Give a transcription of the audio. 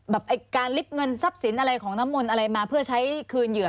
ไอ้การลิฟต์เงินทรัพย์สินอะไรของน้ำมนต์อะไรมาเพื่อใช้คืนเหยื่อ